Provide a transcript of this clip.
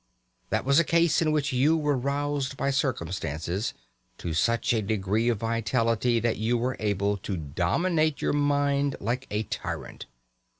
That was a case in which you were roused by circumstances to such a degree of vitality that you were able to dominate your mind like a tyrant.